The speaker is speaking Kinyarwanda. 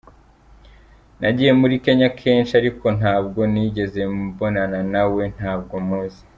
Nagiye muri Kenya kenshi ariko ntabwo nigeze mbonana na we, ntabwo muzi.